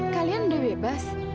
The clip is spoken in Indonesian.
kalian udah bebas